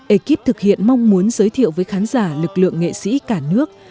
ekip thực hiện mong muốn giới thiệu với khán giả lực lượng nghệ sĩ cả nước